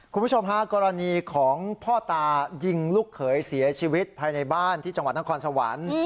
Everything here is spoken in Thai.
คุณผู้ชมฮะกรณีของพ่อตายิงลูกเขยเสียชีวิตภายในบ้านที่จังหวัดนครสวรรค์